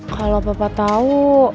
kalau papa tau